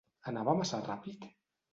Anava massa ràpid?